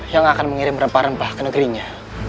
yang akan mengirim rempah rempah ke negerinya